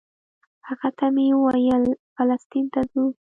هغه ته مې ویل فلسطین ته ځو.